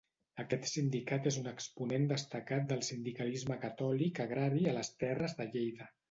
Aquest sindicat és un exponent destacat del sindicalisme catòlic agrari a les terres de Lleida.